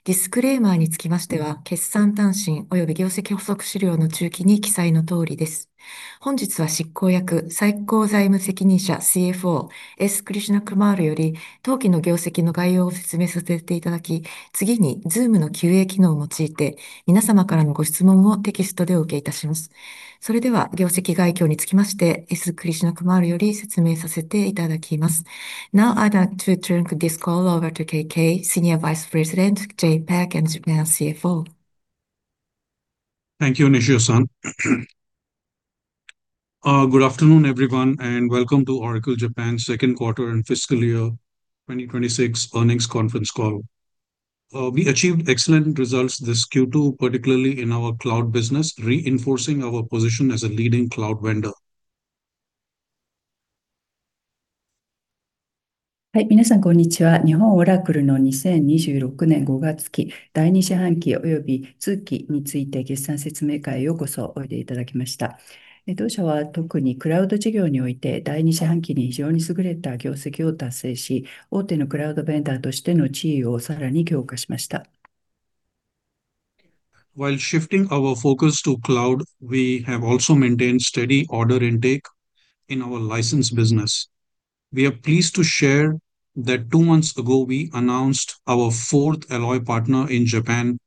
皆さま、こんにちは。日本オラクルIRの西尾です。ただいまより、日本オラクル2026年5月期第2四半期中間期の決算説明会を開催いたします。ディスクレーマーにつきましては、決算短信および業績補足資料の中記に記載のとおりです。本日は執行役最高財務責任者（CFO）S.クリシュナクマールより、当期の業績の概要を説明させていただき、次にZoomのQA機能を用いて、皆さまからのご質問をテキストでお受けいたします。それでは、業績概況につきまして、S.クリシュナクマールより説明させていただきます。Now, I'd like to turn the call over to K.K., Senior Vice President, JPAC and Japan CFO. Thank you, Nishio-san. Good afternoon, everyone, and welcome to Oracle Japan's Second Quarter and Fiscal Year 2025 Earnings Conference call. We achieved excellent results this Q2, particularly in our cloud business, reinforcing our position as a leading cloud vendor. はい、皆さん、こんにちは。日本オラクルの2026年5月期、第2四半期および通期について、決算説明会へようこそおいでいただきました。当社は特にクラウド事業において、第2四半期に非常に優れた業績を達成し、大手のクラウドベンダーとしての地位をさらに強化しました。While shifting our focus to cloud, we have also maintained steady order intake in our license business. We are pleased to share that two months ago, we announced our fourth Alloy Partner in Japan,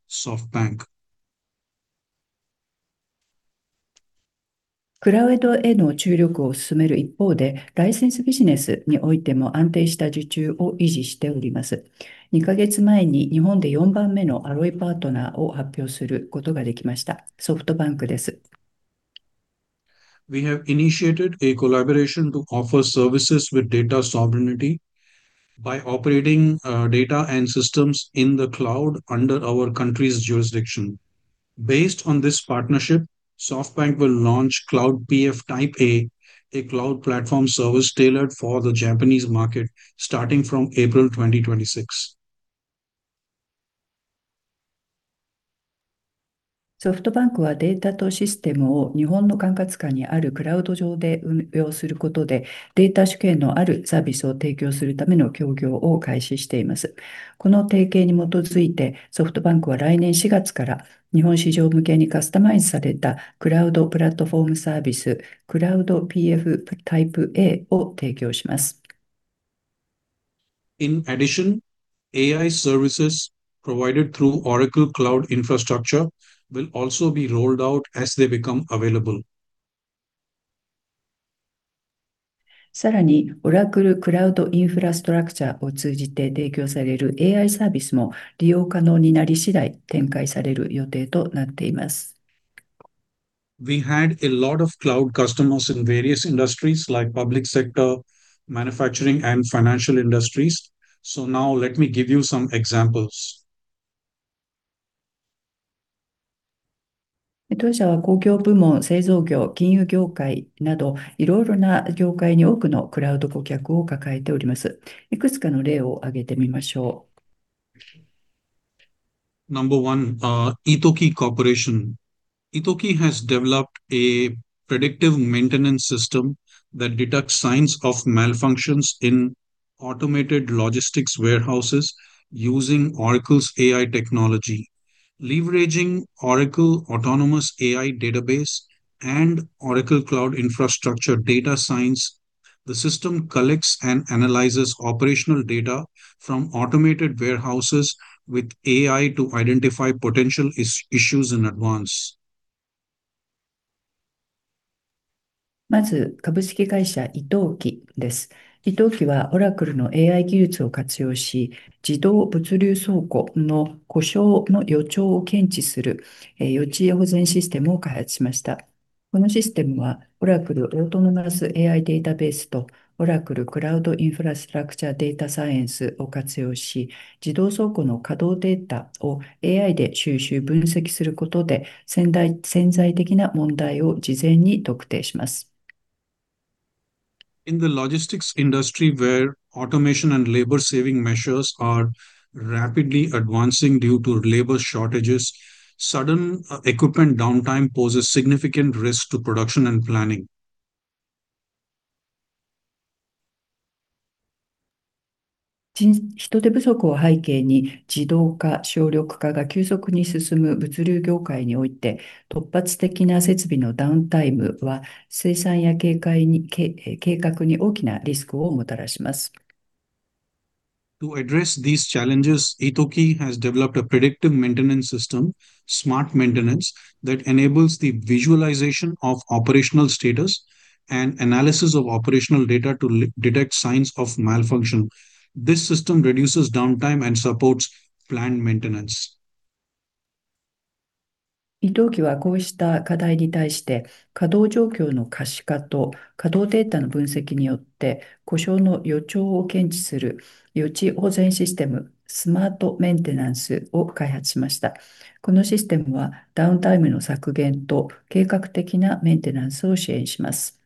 SoftBank. クラウドへの注力を進める一方で、ライセンスビジネスにおいても安定した受注を維持しております。2か月前に日本で4番目のアロイパートナーを発表することができました。ソフトバンクです。We have initiated a collaboration to offer services with data sovereignty by operating data and systems in the cloud under our country's jurisdiction. Based on this partnership, SoftBank will launch CloudPF Type A, a cloud platform service tailored for the Japanese market, starting from April 2026. ソフトバンクはデータとシステムを日本の管轄下にあるクラウド上で運用することで、データ主権のあるサービスを提供するための協業を開始しています。この提携に基づいて、ソフトバンクは来年4月から、日本市場向けにカスタマイズされたクラウドプラットフォームサービス、CloudPF Type Aを提供します。In addition, AI services provided through Oracle Cloud Infrastructure will also be rolled out as they become available. さらに、Oracle Cloud Infrastructureを通じて提供されるAIサービスも、利用可能になり次第展開される予定となっています。We had a lot of cloud customers in various industries, like public sector, manufacturing, and financial industries. Now, let me give you some examples. 当社は公共部門、製造業、金融業界など、いろいろな業界に多くのクラウド顧客を抱えております。いくつかの例を挙げてみましょう。Number one, Itoki Corporation. Itoki has developed a predictive maintenance system that detects signs of malfunctions in automated logistics warehouses using Oracle's AI technology. Leveraging Oracle Autonomous Database and Oracle Cloud Infrastructure data science, the system collects and analyzes operational data from automated warehouses with AI to identify potential issues in advance. まず、株式会社イトーキです。イトーキはオラクルのAI技術を活用し、自動物流倉庫の故障の予兆を検知する予知保全システムを開発しました。このシステムは、Oracle Autonomous AI DatabaseとOracle Cloud Infrastructure Data Scienceを活用し、自動倉庫の稼働データをAIで収集・分析することで、潜在的な問題を事前に特定します。In the logistics industry, where automation and labor-saving measures are rapidly advancing due to labor shortages, sudden equipment downtime poses significant risks to production and planning. 人手不足を背景に、自動化・省力化が急速に進む物流業界において、突発的な設備のダウンタイムは生産や計画に大きなリスクをもたらします。To address these challenges, Itoki has developed a predictive maintenance system—smart maintenance—that enables the visualization of operational status and analysis of operational data to detect signs of malfunction. This system reduces downtime and supports planned maintenance. イトーキはこうした課題に対して、稼働状況の可視化と稼働データの分析によって故障の予兆を検知する予知保全システム、スマートメンテナンスを開発しました。このシステムはダウンタイムの削減と計画的なメンテナンスを支援します。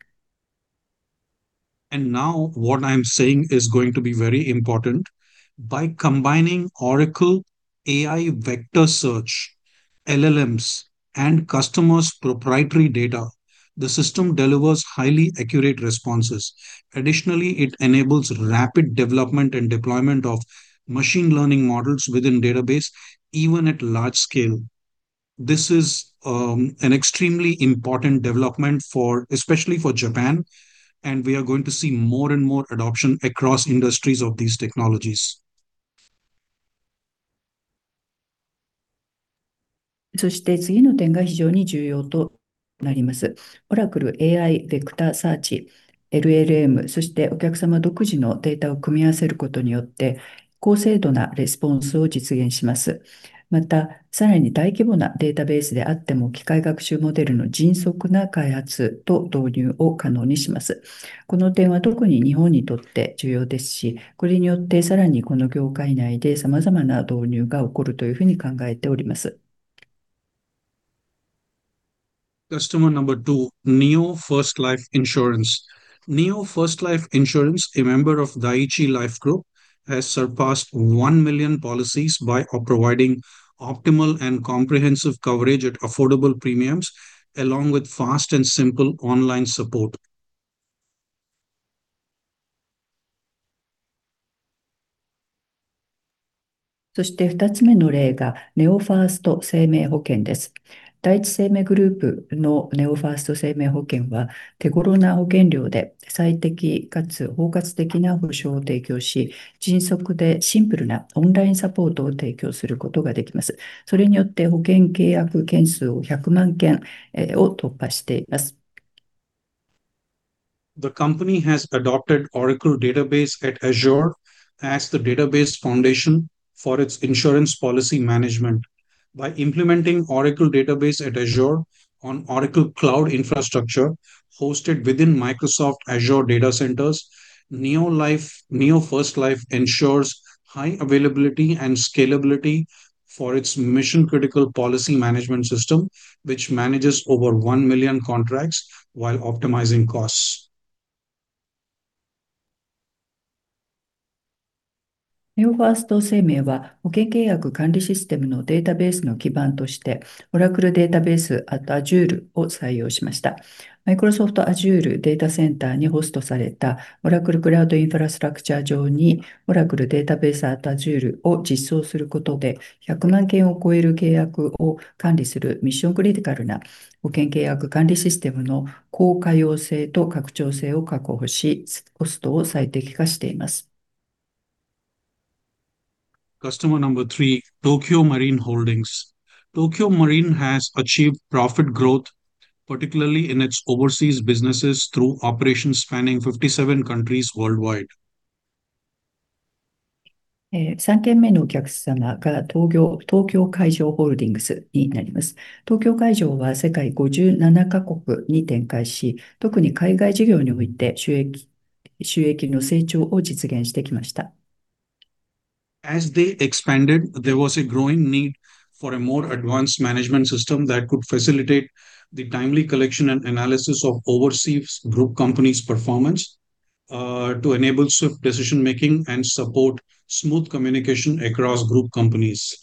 Now, what I'm saying is going to be very important. By combining Oracle AI vector search, LLMs, and customers' proprietary data, the system delivers highly accurate responses. Additionally, it enables rapid development and deployment of machine learning models within databases, even at large scale. This is an extremely important development, especially for Japan, and we are going to see more and more adoption across industries of these technologies. そして、次の点が非常に重要となります。Oracle AI Vector Search、LLM、そしてお客様独自のデータを組み合わせることによって、高精度なレスポンスを実現します。また、さらに大規模なデータベースであっても、機械学習モデルの迅速な開発と導入を可能にします。この点は特に日本にとって重要ですし、これによってさらにこの業界内でさまざまな導入が起こるというふうに考えております。Customer number two, Neo First Life Insurance. Neo First Life Insurance, a member of Daiichi Life Group, has surpassed 1 million policies by providing optimal and comprehensive coverage at affordable premiums, along with fast and simple online support. そして、二つ目の例がネオファースト生命保険です。第一生命グループのネオファースト生命保険は、手頃な保険料で最適かつ包括的な保障を提供し、迅速でシンプルなオンラインサポートを提供することができます。それによって保険契約件数を100万件を突破しています。The company has adopted Oracle Database at Azure as the database foundation for its insurance policy management. By implementing Oracle Database at Azure on Oracle Cloud Infrastructure, hosted within Microsoft Azure data centers, Neo First Life ensures high availability and scalability for its mission-critical policy management system, which manages over 1 million contracts while optimizing costs. ネオファースト生命は保険契約管理システムのデータベースの基盤として、Oracle Database at Azureを採用しました。Microsoft AzureデータセンターにホストされたOracle Cloud Infrastructure上にOracle Database at Azureを実装することで、100万件を超える契約を管理するミッション・クリティカルな保険契約管理システムの高可用性と拡張性を確保し、コストを最適化しています。Customer number three, Tokyo Marine Holdings. Tokyo Marine has achieved profit growth, particularly in its overseas businesses through operations spanning 57 countries worldwide. 三件目のお客様が東京海上ホールディングスになります。東京海上は世界57か国に展開し、特に海外事業において収益の成長を実現してきました。As they expanded, there was a growing need for a more advanced management system that could facilitate the timely collection and analysis of overseas group companies' performance to enable swift decision-making and support smooth communication across group companies.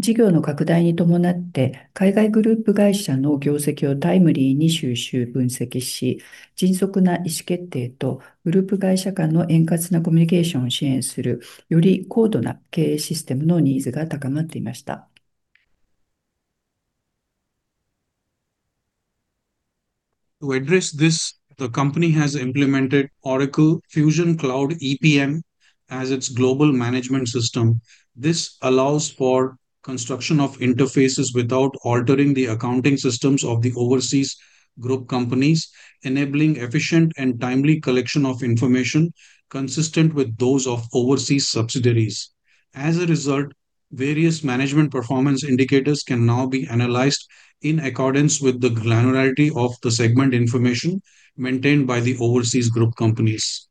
事業の拡大に伴って、海外グループ会社の業績をタイムリーに収集・分析し、迅速な意思決定とグループ会社間の円滑なコミュニケーションを支援する、より高度な経営システムのニーズが高まっていました。To address this, the company has implemented Oracle Fusion Cloud EPM as its global management system. This allows for construction of interfaces without altering the accounting systems of the overseas group companies, enabling efficient and timely collection of information consistent with those of overseas subsidiaries. As a result, various management performance indicators can now be analyzed in accordance with the granularity of the segment information maintained by the overseas group companies.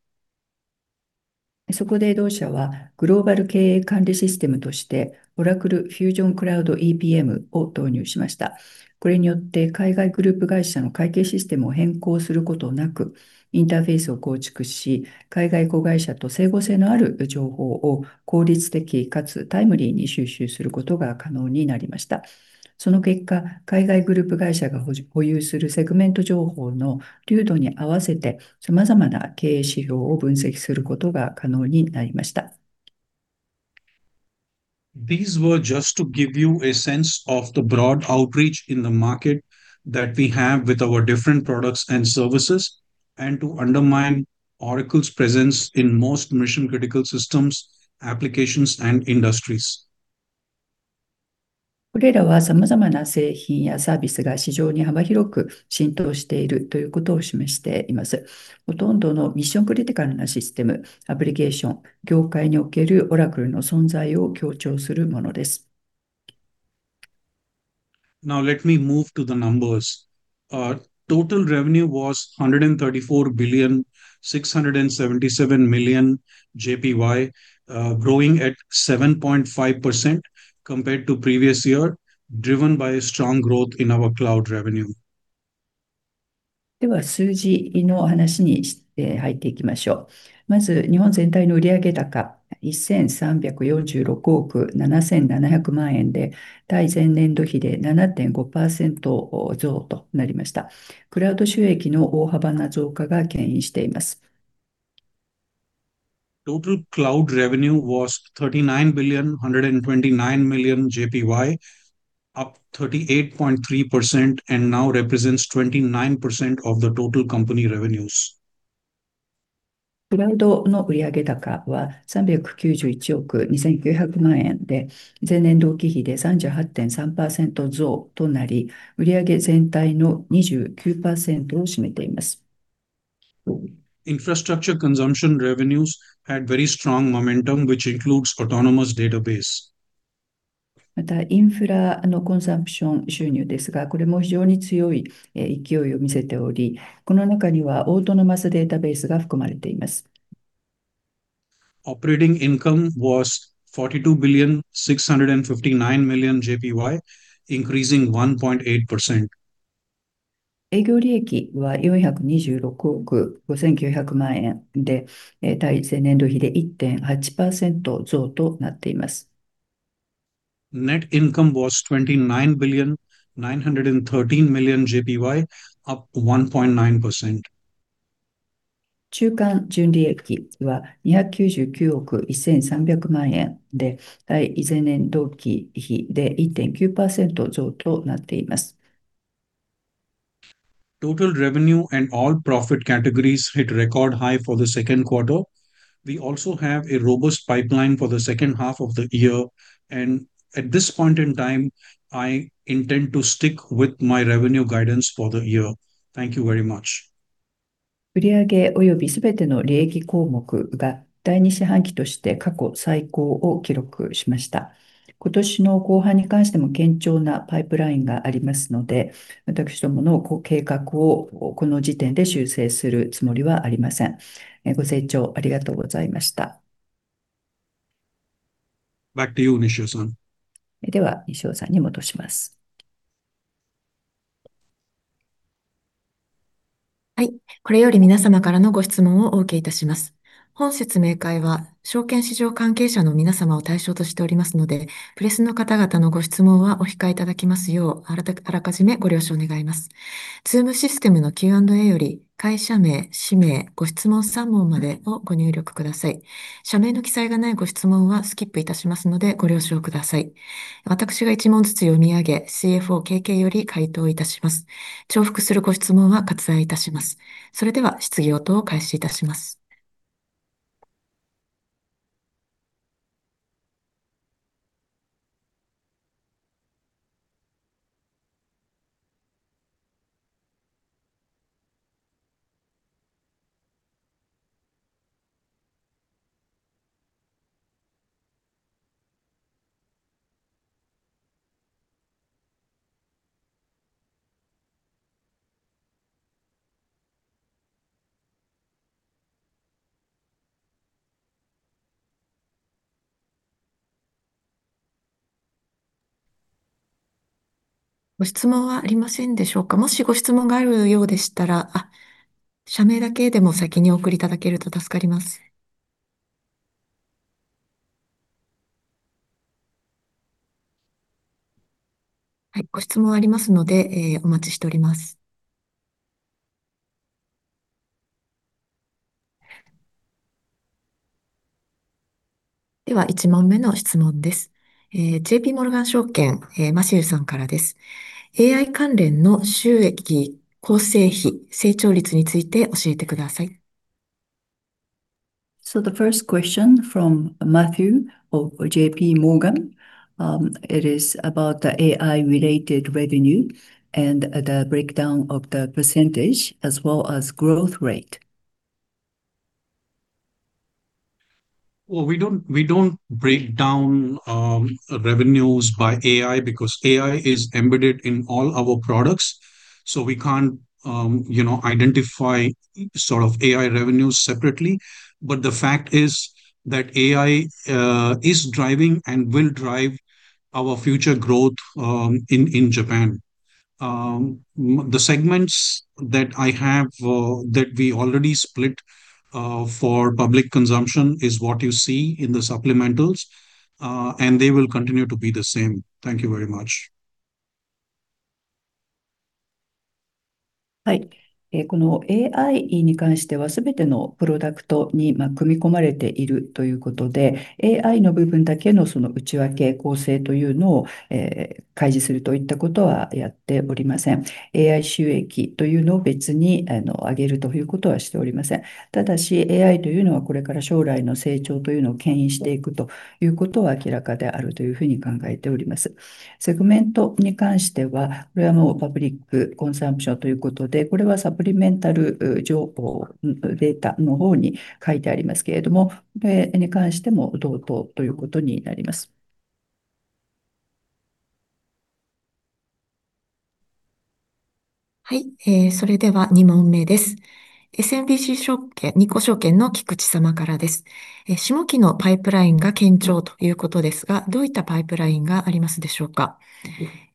そこで同社はグローバル経営管理システムとしてOracle Fusion Cloud These were just to give you a sense of the broad outreach in the market that we have with our different products and services, and to undermine Oracle's presence in most mission-critical systems, applications, and industries. これらはさまざまな製品やサービスが市場に幅広く浸透しているということを示しています。ほとんどのミッション・クリティカルなシステム、アプリケーション、業界におけるOracleの存在を強調するものです。Now, let me move to the numbers. Total revenue was ¥134,677,000,000, growing at 7.5% compared to previous year, driven by strong growth in our cloud revenue. では数字のお話に入っていきましょう。まず、日本全体の売上高¥1,346億7,700万で、対前年度比で7.5%増となりました。クラウド収益の大幅な増加が牽引しています。Total cloud revenue was ¥39,129,000,000, up 38.3%, and now represents 29% of the total company revenues. クラウドの売上高は391億2,900万円で、前年同期比で38.3%増となり、売上全体の29%を占めています。Infrastructure consumption revenues had very strong momentum, which includes autonomous database. また、インフラのコンサンプション収入ですが、これも非常に強い勢いを見せており、この中にはオートノマスデータベースが含まれています。Operating income was ¥42,659,000,000, increasing 1.8%. 営業利益は426億5,900万円で、対前年度比で1.8%増となっています。Net income was ¥29,913,000,000, up 1.9%. 中間純利益は¥29,913,000,000で、対前年度比で1.9%増となっています。Total revenue and all profit categories hit record high for the second quarter. We also have a robust pipeline for the second half of the year, and at this point in time, I intend to stick with my revenue guidance for the year. Thank you very much. 売上及び全ての利益項目が第2四半期として過去最高を記録しました。今年の後半に関しても堅調なパイプラインがありますので、私どもの計画をこの時点で修正するつもりはありません。ご清聴ありがとうございました。Back to you, Nishio-san. では、西尾さんに戻します。はい、これより皆様からのご質問をお受けいたします。本説明会は証券市場関係者の皆様を対象としておりますので、プレスの方々のご質問はお控えいただきますよう、あらかじめご了承願います。ZoomシステムのQ&Aより、会社名、氏名、ご質問3問までをご入力ください。社名の記載がないご質問はスキップいたしますのでご了承ください。私が1問ずつ読み上げ、CFO、KKより回答いたします。重複するご質問は割愛いたします。それでは質疑応答を開始いたします。ご質問はありませんでしょうか。もしご質問があるようでしたら、社名だけでも先にお送りいただけると助かります。はい、ご質問ありますのでお待ちしております。では1問目の質問です。JPモルガン証券、マシューさんからです。AI関連の収益、構成比、成長率について教えてください。The first question from Matthew, or JP Morgan, is about the AI-related revenue and the breakdown of the percentage as well as growth rate. We don't break down revenues by AI because AI is embedded in all our products, so we can't identify AI revenues separately. But the fact is that AI is driving and will drive our future growth in Japan. The segments that I have that we already split for public consumption is what you see in the supplementals, and they will continue to be the same. Thank you very much.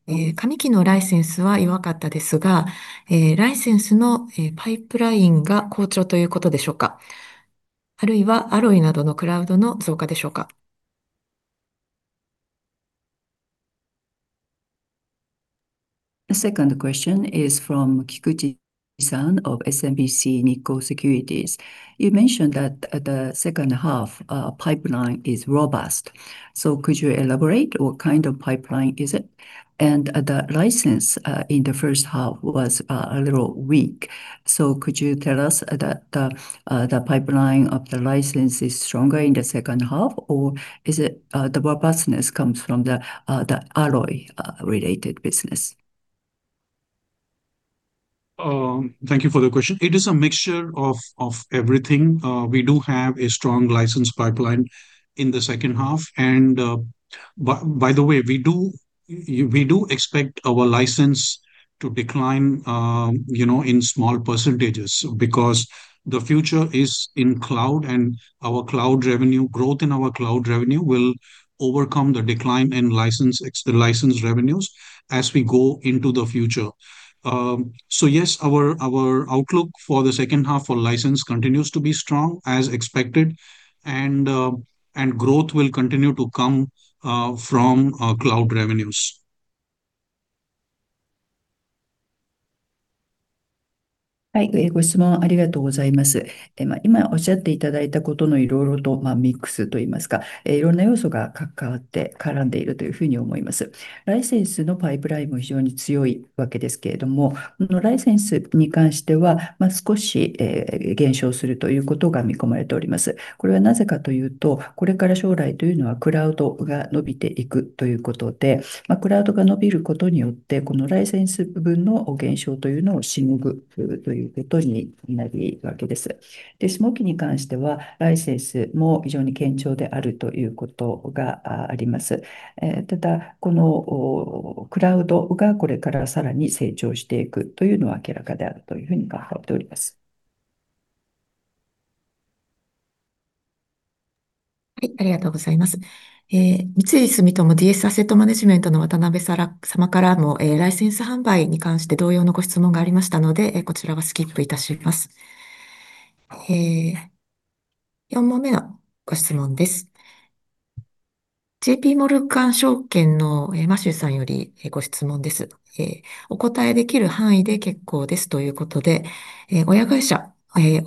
The second question is from Kikuchi-san of SMBC Nikko Securities. You mentioned that the second half pipeline is robust. Could you elaborate what kind of pipeline is it? The license in the first half was a little weak. Could you tell us that the pipeline of the license is stronger in the second half, or is the robustness comes from the alloy-related business? Thank you for the question. It is a mixture of everything. We do have a strong license pipeline in the second half. And by the way, we do expect our license to decline in small percentages because the future is in cloud, and our cloud revenue, growth in our cloud revenue will overcome the decline in license revenues as we go into the future. So yes, our outlook for the second half for license continues to be strong as expected, and growth will continue to come from cloud revenues. Another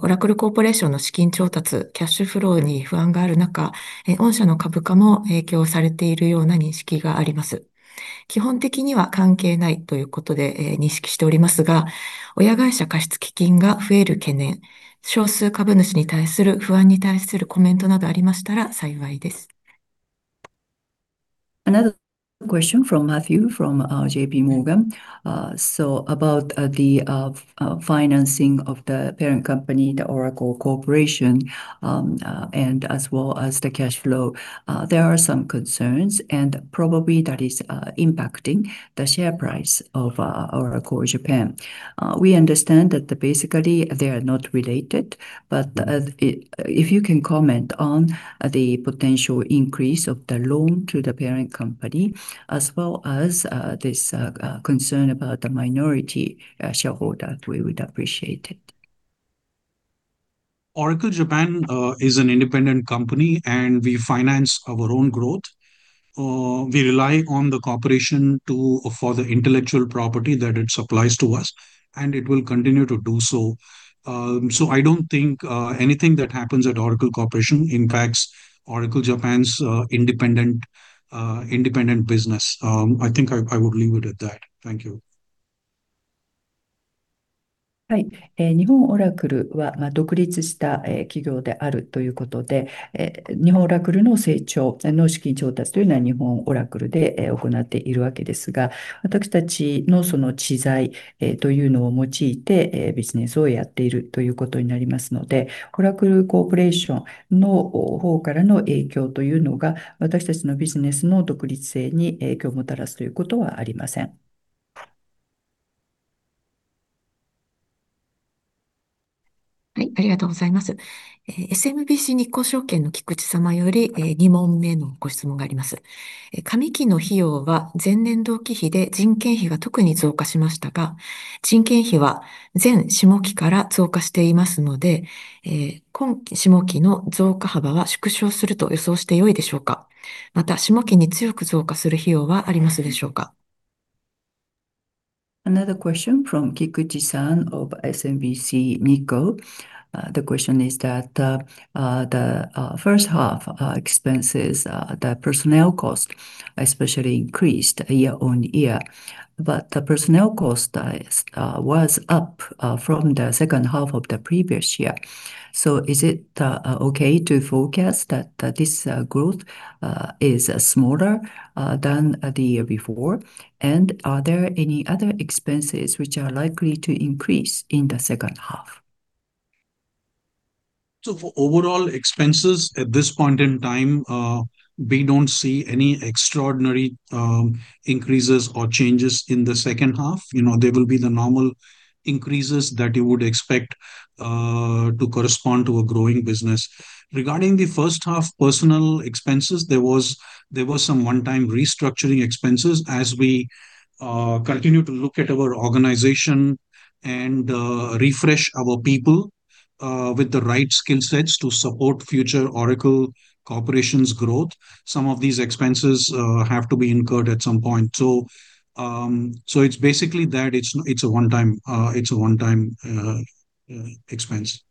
question from Matthew from JP Morgan. About the financing of the parent company, the Oracle Corporation, as well as the cash flow, there are some concerns, and probably that is impacting the share price of Oracle Japan. We understand that basically they are not related, but if you can comment on the potential increase of the loan to the parent company, as well as this concern about the minority shareholder, we would appreciate it. Oracle Japan is an independent company, and we finance our own growth. We rely on the corporation for the intellectual property that it supplies to us, and it will continue to do so. I don't think anything that happens at Oracle Corporation impacts Oracle Japan's independent business. I think I would leave it at that. Thank you. Another question from Kikuchi-san of SMBC Nikko. The question is that the first half expenses, the personnel cost, especially increased year on year, but the personnel cost was up from the second half of the previous year. So is it okay to forecast that this growth is smaller than the year before, and are there any other expenses which are likely to increase in the second half? For overall expenses, at this point in time, we don't see any extraordinary increases or changes in the second half. There will be the normal increases that you would expect to correspond to a growing business. Regarding the first half personal expenses, there were some one-time restructuring expenses as we continue to look at our organization and refresh our people with the right skill sets to support future Oracle Corporation's growth. Some of these expenses have to be incurred at some point, so it's basically a one-time expense.